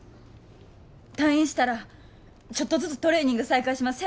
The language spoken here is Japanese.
退院したらちょっとずつトレーニング再開します。